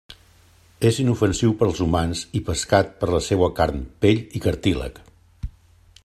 És inofensiu per als humans i pescat per la seua carn, pell i cartílag.